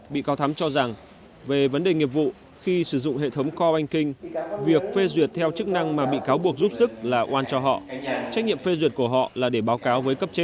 bị cáo thắm cho rằng về vấn đề nghiệp vụ khi sử dụng hệ thống cop banking việc phê duyệt theo chức năng mà bị cáo buộc giúp sức là oan cho họ trách nhiệm phê duyệt của họ là để báo cáo với cấp trên